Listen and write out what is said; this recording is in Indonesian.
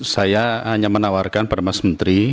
saya hanya menawarkan pada mas menteri